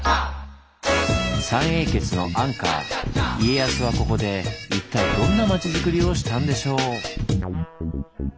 三英傑のアンカー家康はここで一体どんな町づくりをしたんでしょう？